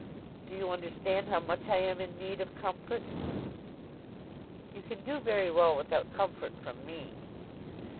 "Do you understand how much I am in need of comfort?" "You can do very well without comfort from me."